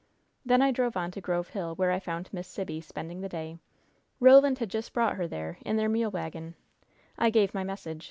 "Then I drove on to Grove Hill, where I found Miss Sibby spending the day. Roland had just brought her there in their mule wagon. I gave my message.